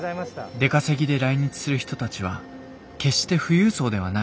出稼ぎで来日する人たちは決して富裕層ではない。